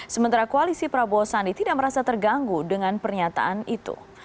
sementara koalisi prabowo sandi tidak merasa terganggu dengan pernyataan itu